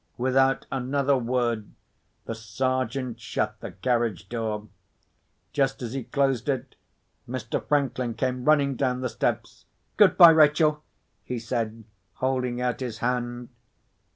Without another word, the Sergeant shut the carriage door. Just as he closed it, Mr. Franklin came running down the steps. "Good bye, Rachel," he said, holding out his hand.